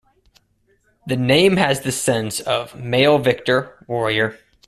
The name has the sense of "male victor, warrior".